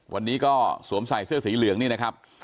วันนี้ก็สวมใส่เสื้อสีเหลืองนี่นะครับ